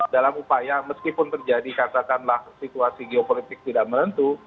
dalam upaya meskipun terjadi katakanlah situasi geopolitik tidak menentu